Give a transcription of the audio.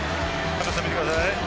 高さ見てください。